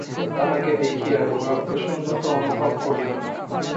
তাঁহাকে দেখিয়া গোরা প্রসন্নতা অনুভব করিল না।